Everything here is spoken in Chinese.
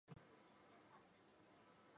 圣天是许多重要的中观派论着的作者。